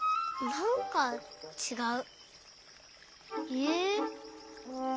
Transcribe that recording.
なんかちがう。